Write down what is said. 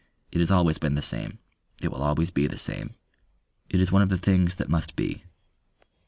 It has always been the same; it will always be the same. It is one of the things that must be.